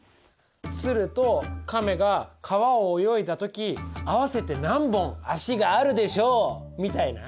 鶴と亀が川を泳いだ時合わせて何本足があるでしょうみたいな。